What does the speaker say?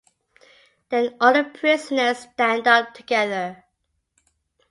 Then all the prisoners stand up together.